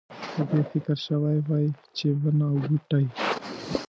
په دې فکر شوی وای چې ونه او بوټی.